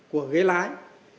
của ghế lái